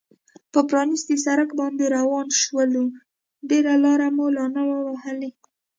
پر پرانیستي سړک باندې روان شولو، ډېره لار مو لا نه وه وهلې.